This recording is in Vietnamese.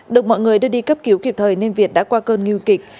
được mọi người đưa đi cấp cứu kịp thời nên việt đã qua cơn nguy kịch